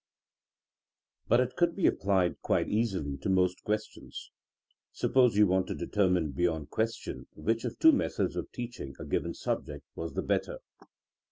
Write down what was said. But it could be applied quite easily to most questions. Suppose you wanted to determine beyond question which of two methods of teach ing a given subject was the better.